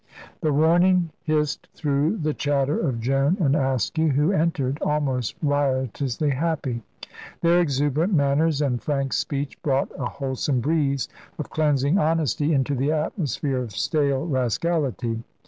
The warning hissed through the chatter of Joan and Askew, who entered, almost riotously happy. Their exuberant manners and frank speech brought a wholesome breeze of cleansing honesty into the atmosphere of stale rascality.